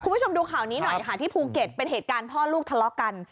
คุณผู้ชมดูข่าวนี้หน่อยค่ะที่ภูเก็ตเป็นเหตุการณ์พ่อลูกทะเลาะกัน